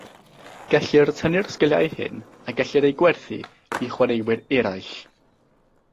Gellir tynnu'r sgiliau hyn a gellir eu gwerthu i chwaraewyr eraill.